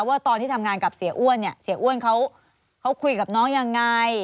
ว่าตอนที่ทำงานกับเสียอ้วนเนี่ยเสียอ้วนเขาคุยกับน้องยังไง